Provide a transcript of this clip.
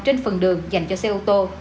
trên phần đường dành cho xe ô tô